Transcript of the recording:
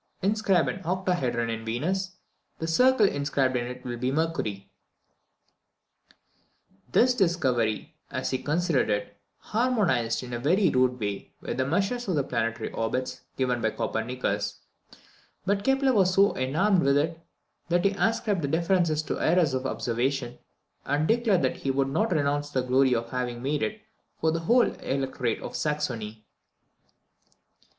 Inscribe an octohedron in Venus; the circle inscribed in it will be Mercury." This discovery, as he considered it, harmonized in a very rude way with the measures of the planetary orbits given by Copernicus; but Kepler was so enamoured with it, that he ascribed the differences to errors of observation, and declared that he would not renounce the glory of having made it for the whole Electorate of Saxony.